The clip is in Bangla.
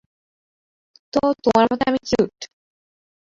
তো তোমার মতে আমি কিউট।